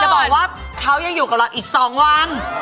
จะบอกว่าเขายังอยู่กับเราอีกสองหวัง